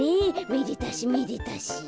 めでたしめでたし。